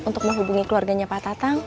untuk menghubungi keluarganya pak tatang